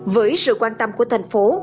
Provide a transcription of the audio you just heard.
với sự quan tâm của thành phố